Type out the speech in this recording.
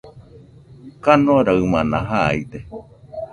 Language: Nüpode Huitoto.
kanoraɨmana jaide